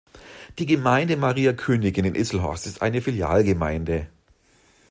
Die Gemeinde Maria Königin in Isselhorst ist eine Filialgemeinde.